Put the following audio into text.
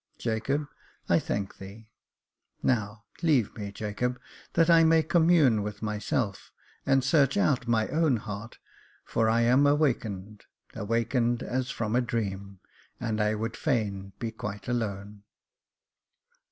Jacob, I thank thee ! Now leave me, Jacob, that I may commune with myself, and search out my own heart, for I am awakened — awakened as from a dream, and I would fain be quite alone."